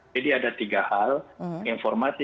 ada tiga hal informasi